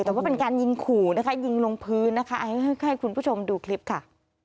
แต่ว่าเป็นการยิงขู่นะคะยิงลงพื้นนะคะให้คุณผู้ชมดูคลิปค่ะ